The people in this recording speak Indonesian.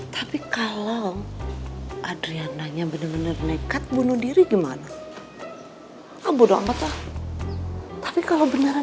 tapi kalau adriananya bener bener nekat bunuh diri gimana ambud banget lah tapi kalau beneran